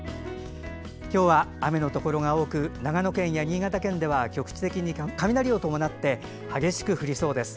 今日は雨のところが多く長野県や新潟県では局地的に雷を伴って激しく降りそうです。